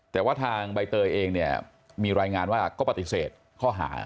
แต่ว่าทางใบเตยเองเนี่ยมีรายงานว่าก็ปฏิเสธข้อหา